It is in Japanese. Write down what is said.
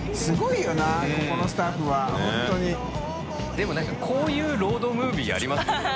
でもなんかこういうロードムービーありますよね。